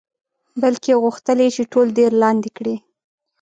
بلکې غوښتل یې چې ټول دیر لاندې کړي.